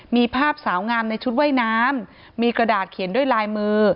มีภาพสาวงามในชุดว่ายน้ำมีกระดาษเขียนด้วยลายมือ